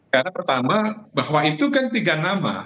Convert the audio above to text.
karena pertama bahwa itu kan tiga nama